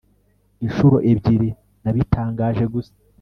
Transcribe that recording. inshuro ebyiri nabitangaje gusa